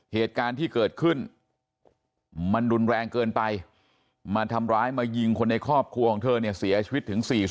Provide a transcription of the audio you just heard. เหตุการณ์ที่เกิดขึ้นมันรุนแรงเกินไปมาทำร้ายมายิงคนในครอบครัวของเธอเนี่ยเสียชีวิตถึง๔๐